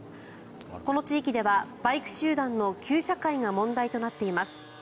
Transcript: この地域では、バイク集団の旧車會が問題となっています。